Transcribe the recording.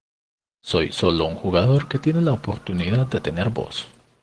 Soy solo un jugador que tiene la oportunidad de tener voz.